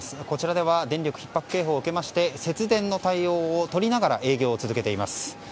こちらでは電力ひっ迫警報を受けまして節電の対応をとりながら営業を続けています。